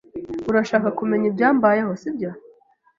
Urashaka kumenya ibyambayeho, sibyo?